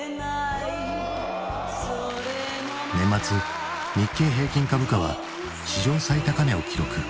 年末日経平均株価は史上最高値を記録。